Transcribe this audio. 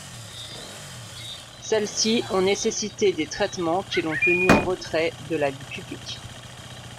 Celles-ci ont nécessité des traitements qui l’ont tenu en retrait de la vie publique.